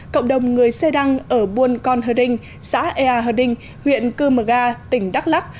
cộng đồng người xê đăng ở buôn con hơ đinh xã ea hờ đinh huyện cư mờ ga tỉnh đắk lắc